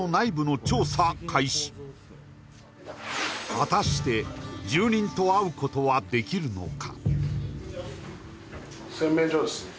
果たして住人と会うことはできるのか？